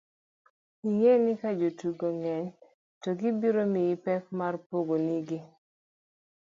ing'e ni kajotugo ng'eny to gibiro miyi pek mar pogo nigi